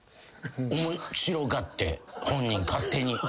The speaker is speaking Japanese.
面白がって本人勝手に。